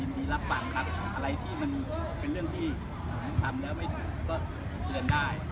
มีลับฝากอะไรที่มันเป็นเรื่องที่ทำได้ไม่ถูกก็เลือกได้